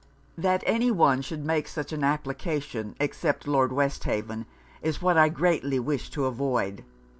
'That any one should make such an application, except Lord Westhaven, is what I greatly wish to avoid.